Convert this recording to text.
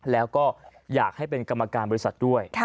แล้วก็อยากให้เป็นกรรมการบริษัทด้วย